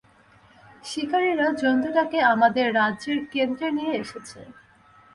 শিকারিরা জন্তুটাকে আমাদের রাজ্যের কেন্দ্রে নিয়ে এসেছে।